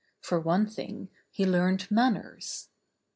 For one thing he learned man ners.